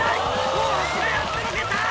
大橋がやってのけた！